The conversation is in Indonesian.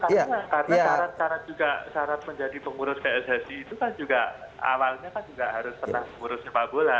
karena syarat syarat juga syarat menjadi pengurus pssi itu kan juga awalnya kan juga harus pernah mengurus sepak bola